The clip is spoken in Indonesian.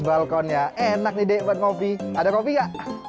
balkon nya enak nih dekan copy copy hug ya